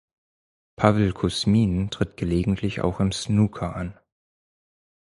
Pawel Kusmin tritt gelegentlich auch im Snooker an.